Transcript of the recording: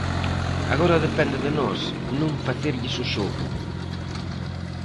Agora depende de nós non facerlles o xogo.